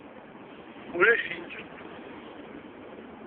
Ulac-ik.